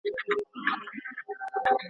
هغه پوهان د سياست په اړه نوې ليکنې کوي.